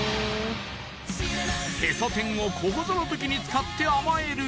へそ天をここぞの時に使って甘える